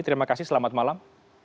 terima kasih selamat malam